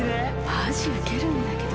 マジウケるんだけど